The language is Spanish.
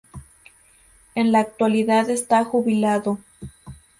En la actualidad está jubilado.